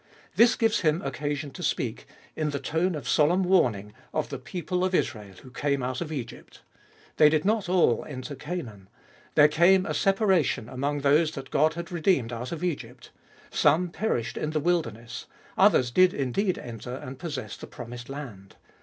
This gives him occasion to speak, in the tone of solemn warning, of the people of Israel who came out of Egypt. They did not all enter Canaan. There came a separa tion among those that God had redeemed out of Egypt ; some perished in the wilderness ; others did indeed enter and possess the promised land.